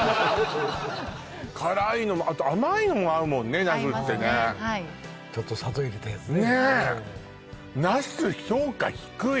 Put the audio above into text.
辛いのもあと甘いのも合うもんね合いますねはいちょっと砂糖入れたやつね